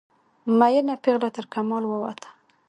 میینه پیغله ترکمال ووته